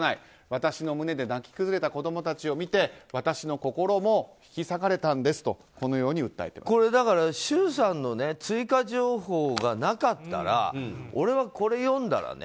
私の胸で泣き崩れた子供たちを見て私の心も引き裂かれたんですと周さんの追加情報がなかったら俺はこれを読んだらね